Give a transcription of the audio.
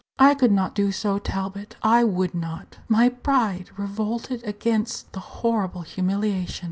I could not do so, Talbot; I would not! My pride revolted against the horrible humiliation.